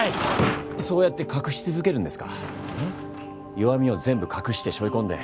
弱みを全部隠してしょい込んで。